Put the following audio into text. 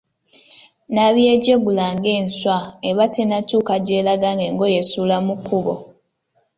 Nabyejeeguula ng’enswa eba tennatuuka gy’eraga ng’engoye esuula mu kkubo.